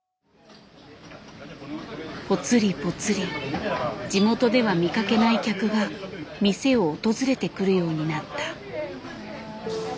ぽつりぽつり地元では見かけない客が店を訪れてくるようになった。